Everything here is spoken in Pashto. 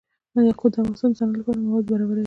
یاقوت د افغانستان د صنعت لپاره مواد برابروي.